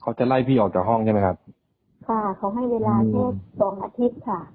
จะไล่พี่ออกจากห้องใช่ไหมครับค่ะเขาให้เวลาแค่สองอาทิตย์ค่ะ